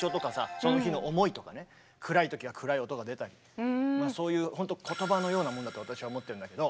その日の思いとかね暗い時は暗い音が出たりそういう言葉のようなもんだと私は思ってるんだけど。